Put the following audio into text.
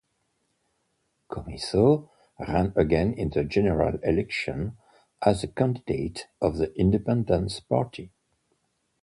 Commisso ran again in the general election as the candidate of the Independence Party.